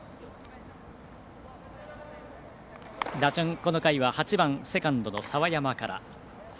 打順、この回は８番セカンドの澤山から。